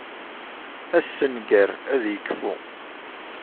Assenger ad ikfu.